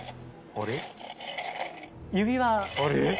あれ？